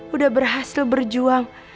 udah berhasil berjuang